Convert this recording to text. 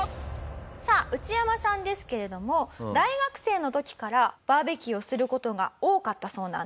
さあウチヤマさんですけれども大学生の時からバーベキューをする事が多かったそうなんです。